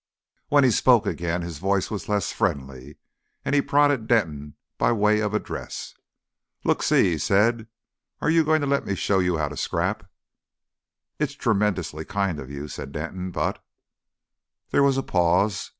When he spoke again his voice was less friendly, and he prodded Denton by way of address. "Look see!" he said: "are you going to let me show you 'ow to scrap?" "It's tremendously kind of you," said Denton; "but " There was a pause.